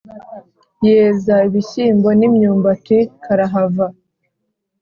yeza ibishyimbo n’imyumbati karahava.